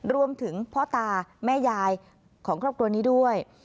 รวมถึงพ่อตาแม่ยายของครอบครัวนี้ด้วย